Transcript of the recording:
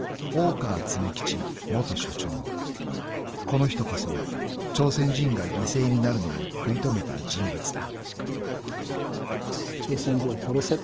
［この人こそ朝鮮人が犠牲になるのを食い止めた人物だ］